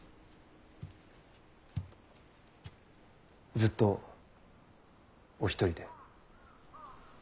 ずっとお一人で？